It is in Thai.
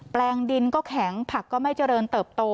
แปลงดินก็แข็งผักก็ไม่เจริญเติบโต